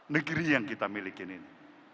negeri yang kita miliki ini